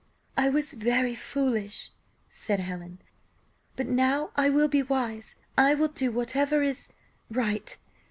"I was very foolish," said Helen; "but now I will be wise, I will do whatever is right.